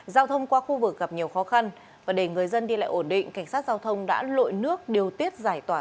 giao thông qua khu vực gặp nhiều khó khăn và để người dân đi lại ổn định cảnh sát giao thông đã lội nước điều tiết giải tỏa